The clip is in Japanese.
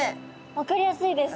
分かりやすいです